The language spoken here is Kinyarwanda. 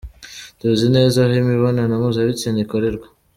Tuzi neza aho imibonano mpuzabitsina ikorerwa.